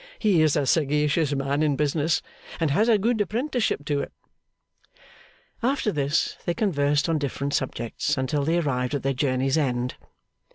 'He is a sagacious man in business, and has had a good apprenticeship to it.' After this, they conversed on different subjects until they arrived at their journey's end.